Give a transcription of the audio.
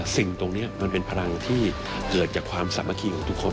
สิ่งตรงนี้มันเป็นพลังที่เกิดจากความสามัคคีของทุกคน